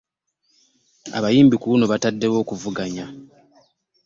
Abayimbi ku luno bataddewo okuvuganya.